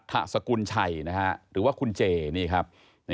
ธสกุลชัยหรือว่าคุณเจนี่ครับ